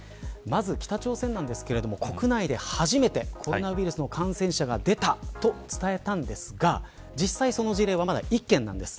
まず北朝鮮ですが国内で初めてコロナウイルスの感染者が出たと伝えたんですが実際、その事例は１件なんです。